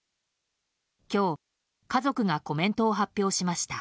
今日、家族がコメントを発表しました。